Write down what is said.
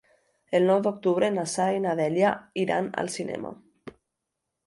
El nou d'octubre na Sara i na Dèlia iran al cinema.